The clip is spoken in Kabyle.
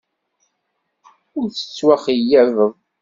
Ur tettwaxeyyabeḍ.